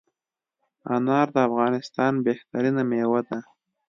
انار دافغانستان بهترینه میوه ده